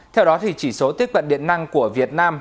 theo đó thì chỉ số tiếp cận điện năng của việt nam